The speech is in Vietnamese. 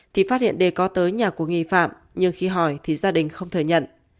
thì phát hiện đề có tới nhà của nghi phạm nhưng khi hỏi thì gia đình không thừa nhận